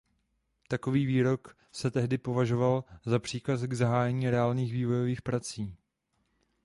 Takovýto výrok se tehdy považoval za příkaz k zahájení reálných vývojových prací.